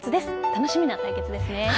楽しみな対決ですね。